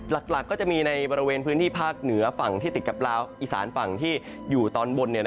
หลักก็จะมีในบริเวณพื้นที่ภาคเหนือฝั่งที่ติดกับลาวอีสานฝั่งที่อยู่ตอนบน